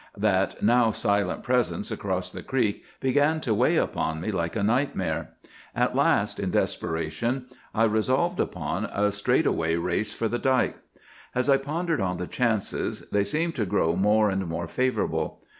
That now silent presence across the creek began to weigh upon me like a nightmare. At last, in desperation, I resolved upon a straight away race for the dike. As I pondered on the chances, they seemed to grow more and more favorable.